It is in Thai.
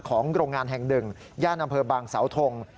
ของโรงงานแห่ง๑ย่านอำเภอบางเสาทง